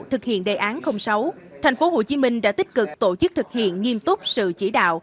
thực hiện đề án sáu tp hcm đã tích cực tổ chức thực hiện nghiêm túc sự chỉ đạo